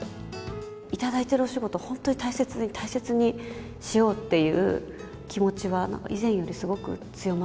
頂いてるお仕事、本当に大切に大切にしようっていう気持ちは、以前よりすごく強ま